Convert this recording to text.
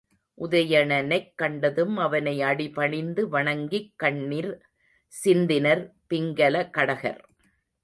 உதயணனைக் கண்டதும் அவனை அடிபணிந்து வணங்கிக் கண்ணிர் சிந்தினர் பிங்கல கடகர்.